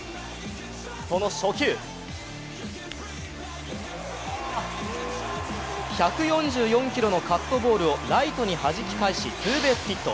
その初球、１４４キロのカットボールをライトにはじき返しツーベースヒット。